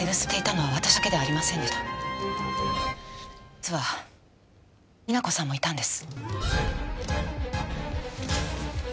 実は美奈子さんもいたんです。